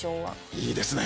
いいですね。